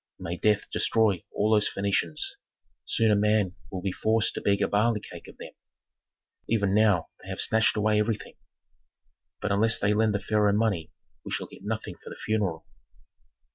"May death destroy all those Phœnicians! Soon a man will be forced to beg a barley cake of them; even now they have snatched away everything." "But unless they lend the pharaoh money we shall get nothing for the funeral."